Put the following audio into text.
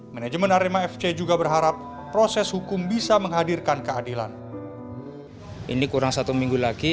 manajemen arema fc juga berharap proses hukum bisa menghadirkan keadilan ini kurang satu minggu lagi